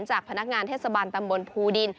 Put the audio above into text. จากพนักงานเทศบาลตำบลภูดิน